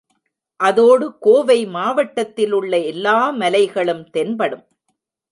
அதோடு கோவை மாவட்டத்திலுள்ள எல்லா மலைகளும் தென்படும்.